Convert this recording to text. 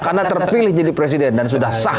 karena terpilih jadi presiden dan sudah sah